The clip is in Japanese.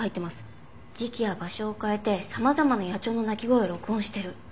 時期や場所を変えて様々な野鳥の鳴き声を録音してる。